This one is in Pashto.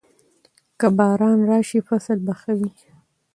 که باران راشي، فصل به ښه وي.